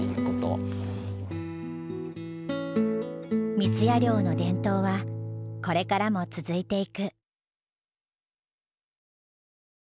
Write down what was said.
三矢寮の伝統はこれからも続いていく。